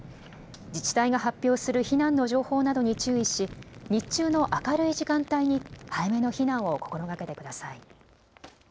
自治体が発表する避難の情報などに注意し日中の明るい時間帯に早めの避難を心がけてください。